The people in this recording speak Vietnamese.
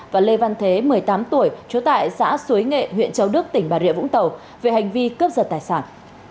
và lê văn thế một mươi tám tuổi trú tại xã suối nghệ huyện châu đức tỉnh bà rịa vũng tàu về hành vi cướp giật tài sản